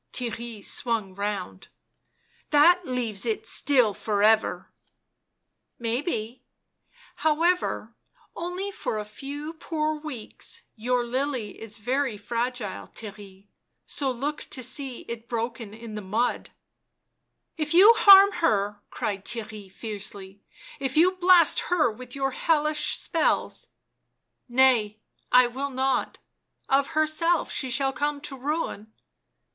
Theirry swung round. " That leaves it still for ever." u Maybe, however, only for a few poor weeks — your lily is very fragile, Theirry, so look to see it broken in the mud "" If you harm her," cried Theirry fiercely, " if you blast her with your hellish spells " r ' Nay — I will not ; of herself she shall come to ruin."